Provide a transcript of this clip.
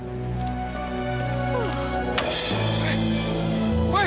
ya ampun ya ampun